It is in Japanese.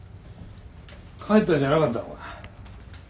帰ったんじゃなかったのか？